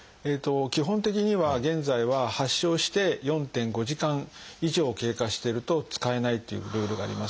基本的には現在は発症して４．５時間以上経過してると使えないっていうルールがあります。